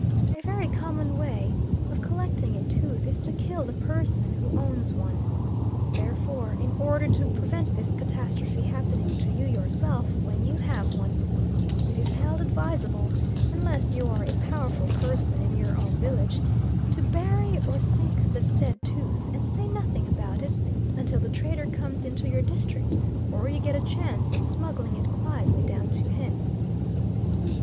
A very common way of collecting a tooth is to kill the person who owns one. Therefore in order to prevent this catastrophe happening to you yourself, when you have one, it is held advisable, unless you are a powerful person in your own village, to bury or sink the said tooth and say nothing about it until the trader comes into your district or you get a chance of smuggling it quietly down to him.